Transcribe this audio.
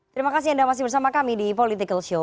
terima kasih anda masih bersama kami di political show